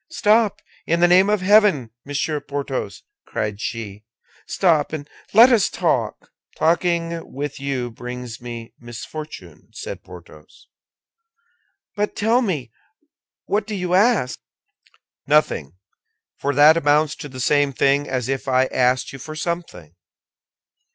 "Stop, in the name of heaven, Monsieur Porthos!" cried she. "Stop, and let us talk." "Talking with you brings me misfortune," said Porthos. "But, tell me, what do you ask?" "Nothing; for that amounts to the same thing as if I asked you for something."